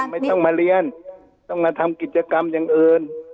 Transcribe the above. ไม่ต้องมาเรียนต้องมาทำกิจกรรมอย่างอื่น